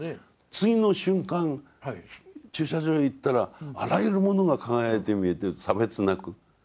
次の瞬間駐車場へ行ったらあらゆるものが輝いて見えてる差別なく。